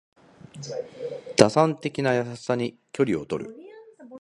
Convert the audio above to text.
打算的な優しさに距離をとる